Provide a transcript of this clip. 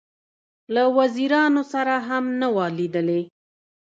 له وزیرانو سره هم نه وه لیدلې.